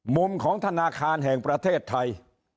มุมของธนาคารแห่งประเทศไทย